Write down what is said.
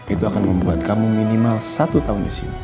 itu akan membuat kamu minimal satu tahun disini